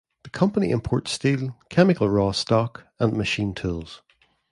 The company imports steel, chemical raw stock, and machine tools.